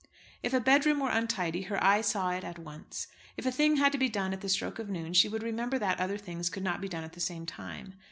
If a bedroom were untidy, her eye saw it at once. If a thing had to be done at the stroke of noon, she would remember that other things could not be done at the same time.